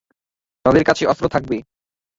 তাদের কাছে অস্ত্র থাকবে।